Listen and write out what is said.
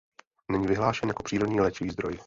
Není vyhlášen jako přírodní léčivý zdroj.